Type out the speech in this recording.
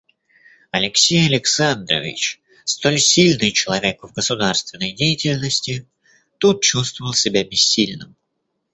Алексей Александрович, столь сильный человек в государственной деятельности, тут чувствовал себя бессильным.